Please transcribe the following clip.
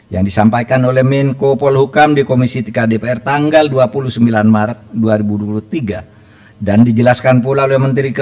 yang kelima untuk laporan hasil pemeriksaan lhp dengan nilai transaksi agregat rp satu ratus delapan puluh